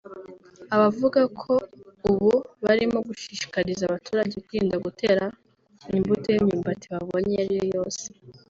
avuga ko ubu barimo gushishikariza abaturage kwirinda gutera imbuto y’imyumbati babonye iyo ariyo yose